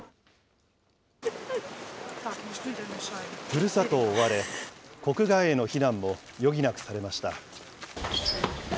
ふるさとを追われ、国外への避難も余儀なくされました。